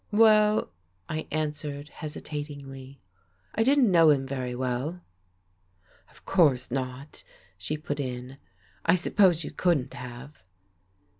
"Well," I answered hesitatingly, "I didn't know him very well." "Of course not," she put in. "I suppose you couldn't have."